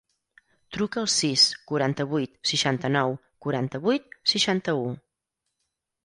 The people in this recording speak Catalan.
Truca al sis, quaranta-vuit, seixanta-nou, quaranta-vuit, seixanta-u.